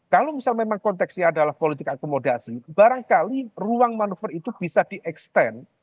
kalau misal memang konteksnya adalah politik akomodasi barangkali ruang manuver itu bisa di extend